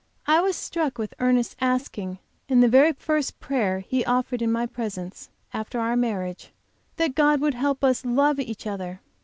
I was struck with Ernest's asking in the very first prayer he offered in my presence, after our marriage, that God would help us love each other.